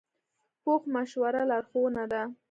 پوخ مشوره لارښوونه ده